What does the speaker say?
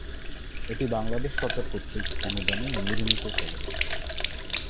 এটি বাংলাদেশ সরকার কর্তৃক অনুদানে নির্মিত চলচ্চিত্র।